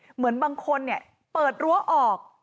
เหมือนบางคนเปิดรั้วออก